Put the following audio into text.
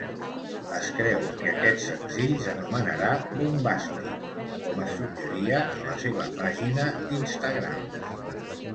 Es creu que aquest senzill s'anomenarà "Bombastic" com es suggeria a la seva pàgina d'Instagram.